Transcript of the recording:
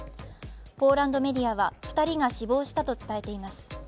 ポーランドメディアは２人が死亡したと伝えています。